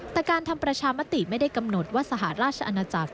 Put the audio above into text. แต่การทำประชามติไม่ได้กำหนดว่าสหราชอาณาจักร